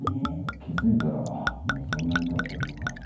気付いたらあっもうそんなに経ってるのかっていう。